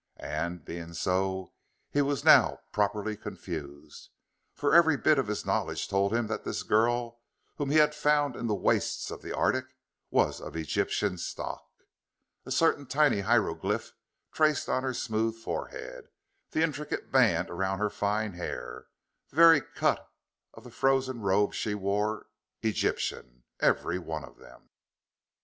And, being so, he was now properly confused. For every bit of his knowledge told him that this girl, whom he had found in the wastes of the arctic, was of Egyptian stock. A certain tiny hieroglyph traced on her smooth forehead the intricate band around her fine hair the very cut of the frozen robe she wore Egyptian every one of them!